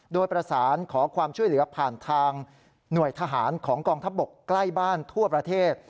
โดยประสานขอความช่วยเหลือผ่านทางหน่วยทหารของกองทัพบกใกล้บ้านทั่วประเทศ